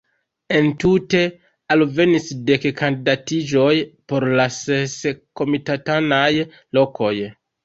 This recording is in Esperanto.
Entute alvenis dek kandidatiĝoj por la ses komitatanaj lokoj.